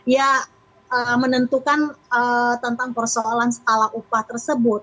ya menentukan tentang persoalan skala upah tersebut